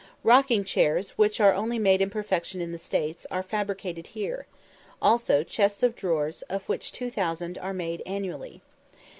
Rocking chairs, which are only made in perfection in the States, are fabricated here, also chests of drawers, of which 2000 are made annually.